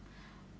oh dara sepupunya